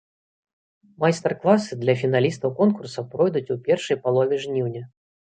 Майстар-класы для фіналістаў конкурса пройдуць у першай палове жніўня.